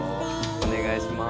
お願いします。